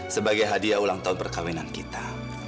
sebagai hadiah ulang tahun perkawinan kita